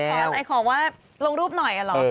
อาจจะขอว่าลงรูปหน่อยอะเหรอ